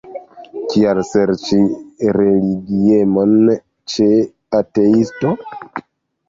Kial serĉi religiemon ĉe ateisto?